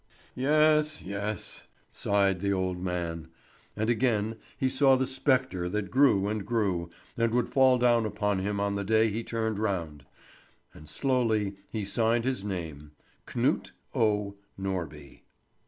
"Yes, yes," sighed the old man. And again he saw the spectre that grew and grew, and would fall down upon him on the day he turned round; and slowly he signed his name, Knut O. Norby.